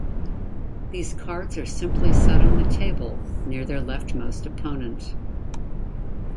These cards are simply set on the table near their left-most opponent.